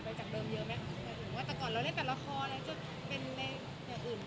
หรือว่าแต่ก่อนเราเล่นแบบละครแล้วจะเป็นอย่างอื่น